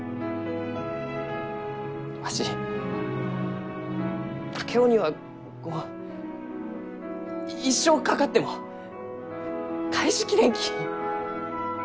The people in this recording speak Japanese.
わし竹雄にはこう一生かかっても返し切れんき。